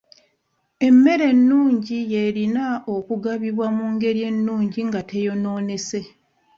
Emmere ennungi y'erina okugabibwa mu ngeri ennungi nga teyonoonese.